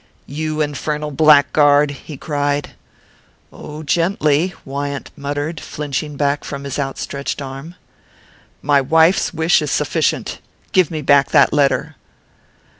"You infernal blackguard!" he cried. "Oh, gently " Wyant muttered, flinching back from his outstretched arm. "My wife's wish is sufficient. Give me back that letter."